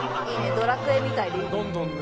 ドラクエみたいでいいね。